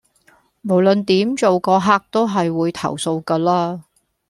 無論點做個客都係會投訴㗎啦